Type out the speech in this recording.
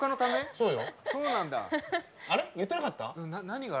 そうよ。